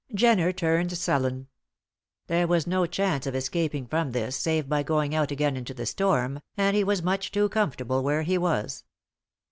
Jenner turned sullen. There was no chance of escaping from this, save by going out again into the storm, and he was much too comfortable where he was.